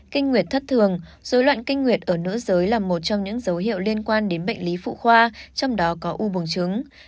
kinh nguyệt thất thường dối loạn kinh nguyệt ở nữ giới là một trong những dấu hiệu liên quan đến bệnh lý phụ khoa trong đó có u buồng trứng